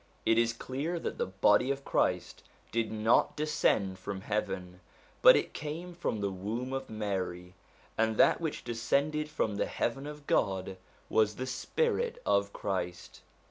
It is clear that the body of Christ did not descend from heaven, but it came from the womb of Mary; and that which descended from the heaven of God was the spirit of Christ.